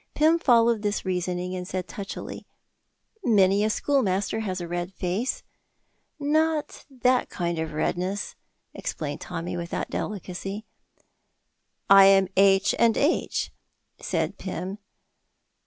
Pym followed this reasoning, and said touchily, "Many a schoolmaster has a red face." "Not that kind of redness," explained Tommy, without delicacy. "I am 'H and H,'" said Pym.